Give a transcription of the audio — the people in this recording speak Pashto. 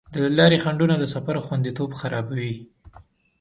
د لارې خنډونه د سفر خوندیتوب خرابوي.